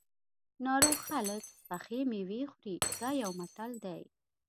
ناروغ خلک پخې مېوې خوري دا یو متل دی.